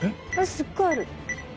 すっごいある。